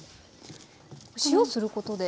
塩することで。